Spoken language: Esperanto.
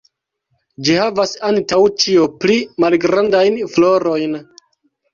Ĝi havas antaŭ ĉio pli malgrandajn florojn.